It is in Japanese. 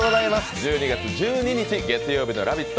１２月１２日月曜日の「ラヴィット！」。